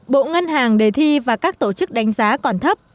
bộ ngân hàng đề thi và các tổ chức đánh giá còn thấp